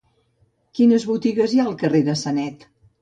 Quines botigues hi ha al carrer de Sanet?